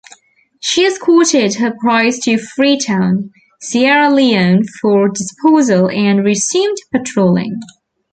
She escorted her prize to Freetown, Sierra Leone for disposal and resumed patrolling.